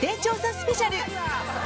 スペシャル！